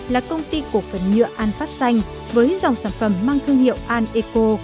là công ty cổ phần nhựa an phát xanh với dòng sản phẩm mang thương hiệu an eco